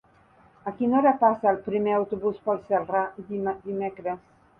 A quina hora passa el primer autobús per Celrà dimecres?